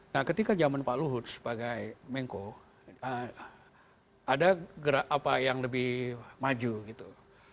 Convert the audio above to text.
nah ketika zaman pak luhut sebagai mengko ada gerak apa yang lebih maju gitu